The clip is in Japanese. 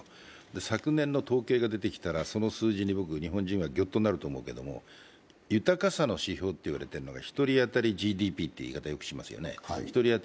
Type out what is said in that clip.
昨年の統計が出てきたら、その数字に、僕は日本人はぎょっとなると思うけれども、豊かさの指標といわれているのがり１人当たりのＧＤＰと言われてますよね。